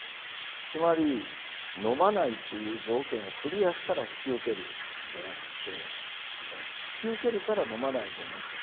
つまり飲まないっていう条件をクリアしたら引き受けるじゃなくって引き受けるから飲まないでねと。